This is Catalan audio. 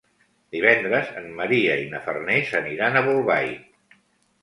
Divendres en Maria i na Farners aniran a Bolbait.